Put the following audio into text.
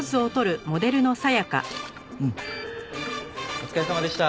お疲れさまでした。